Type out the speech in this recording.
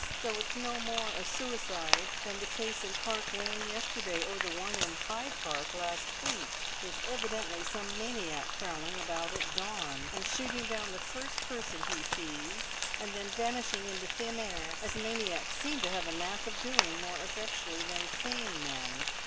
So it's no more a suicide than the case in Park Lane yesterday or the one in Hyde Park last week; there's evidently some maniac prowling about at dawn, and shooting down the first person he sees and then vanishing into thin air as maniacs seem to have a knack of doing more effectually than sane men.